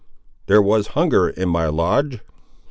There was hunger in my lodge."